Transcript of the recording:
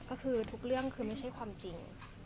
ก็คือทุกเรื่องคือไม่ใช่ความจริง